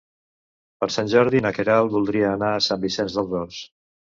Per Sant Jordi na Queralt voldria anar a Sant Vicenç dels Horts.